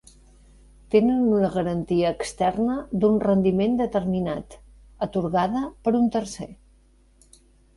Tenen una garantia externa d'un rendiment determinat, atorgada per un tercer.